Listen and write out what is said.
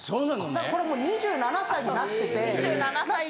だからこれもう２７歳になってて。